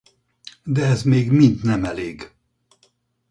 De ez még mind nem elég.